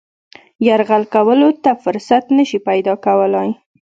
یرغل کولو ته فرصت نه شي پیدا کولای.